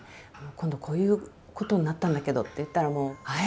「今度こういうことになったんだけど」って言ったらもう「ええ！